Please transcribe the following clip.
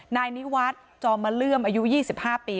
นายนิวัฒน์จอมมาเลื่อมอายุ๒๕ปี